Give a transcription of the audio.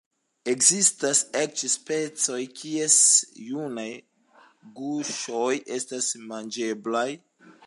Ekzistas eĉ specoj, kies junaj guŝoj estas manĝeblaj.